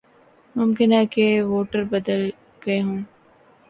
ممکن ہے کہ ووٹر بدل گئے ہوں۔